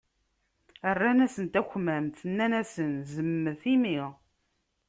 Rran-asen takmamt, nnan-asen zemmet imi.